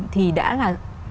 thì đã là